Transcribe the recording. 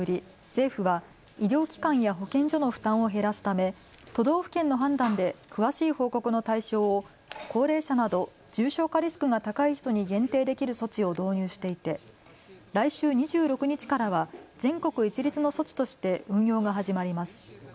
政府は医療機関や保健所の負担を減らすため都道府県の判断で詳しい報告の対象を高齢者など重症化リスクが高い人に限定できる措置を導入していて来週２６日からは全国一律の措置として運用が始まります。